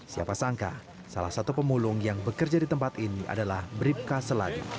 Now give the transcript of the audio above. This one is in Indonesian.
siapa sangka salah satu pemulung yang bekerja di tempat ini adalah bribka seladi